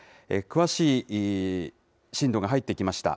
詳しい震度が入ってきました。